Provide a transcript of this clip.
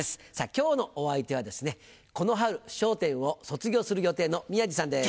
今日のお相手はですねこの春『笑点』を卒業する予定の宮治さんです。